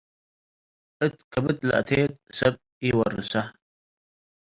እት ከብድ ለአቴት፡ ሰብ ኢወርሰ።”"